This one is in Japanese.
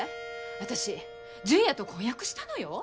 私純也と婚約したのよ！？